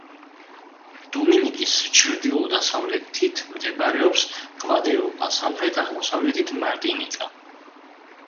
დომინიკის ჩრდილო-დასავლეთით მდებარეობს გვადელუპა, სამხრეთ-აღმოსავლეთით მარტინიკა.